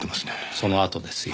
そのあとですよ。